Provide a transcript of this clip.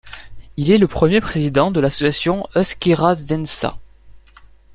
Il est le premier président de l'association Euskerazaintza.